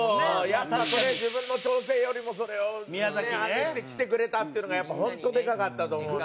やっぱ自分の調整よりもそれをあれして来てくれたっていうのがやっぱ本当でかかったと思うね。